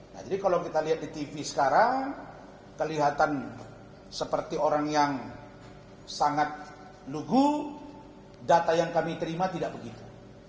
nah jadi kalau kita lihat di tv sekarang kelihatan seperti orang yang sangat nunggu data yang kami terima tidak begitu